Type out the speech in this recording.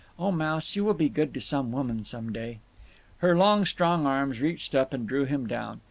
O Mouse, you will be good to some woman some day." Her long strong arms reached up and drew him down.